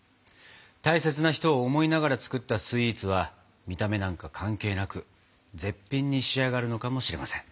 大切な人を思いながら作ったスイーツは見た目なんか関係なく絶品に仕上がるのかもしれません。